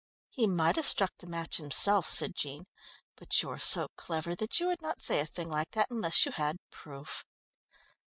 "He might have struck the match himself," said Jean, "but you're so clever that you would not say a thing like that unless you had proof."